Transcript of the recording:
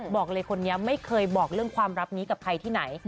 บอกเลยคนนี้ไม่เคยบอกเรื่องความรักนี้กับใครที่ไหน